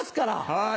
はい！